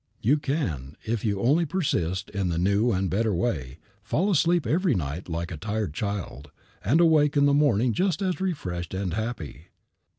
You can, if you only persist in the new and better way, fall asleep every night like a tired child, and awake in the morning just as refreshed and happy.